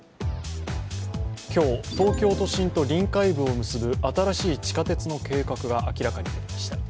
今日、東京都心と臨海部を結ぶ新しい地下鉄の計画が明らかになりました。